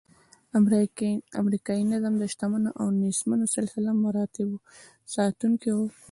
امریکایي نظم د شتمنو او نیستمنو سلسله مراتبو ساتونکی و.